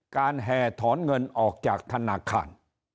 แห่ถอนเงินออกจากธนาคาร